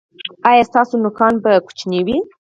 ایا ستاسو نوکان به لنډ وي؟